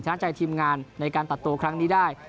ใจทีมงานในการตัดตัวครั้งนี้ได้